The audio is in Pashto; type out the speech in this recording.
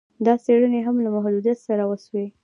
دا څېړني هم له محدویت سره وسوې